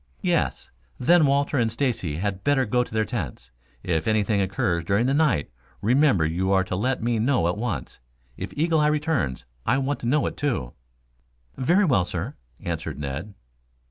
"Yes. Then Walter and Stacy had better go to their tents. If anything occurs during the night, remember you are to let me know at once. If Eagle eye returns, I want to know it, too." "Very well, sir," answered Ned.